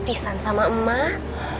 pisah sama emak